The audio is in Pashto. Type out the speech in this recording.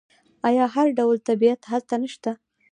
آیا هر ډول طبیعت هلته نشته؟